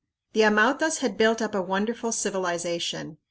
The Amautas had built up a wonderful civilization.